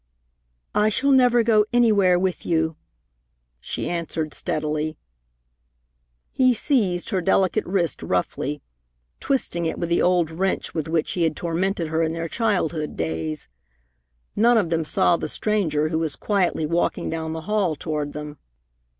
"I shall never go anywhere with you," she answered steadily. He seized her delicate wrist roughly, twisting it with the old wrench with which he had tormented her in their childhood days. None of them saw the stranger who was quietly walking down the hall toward them.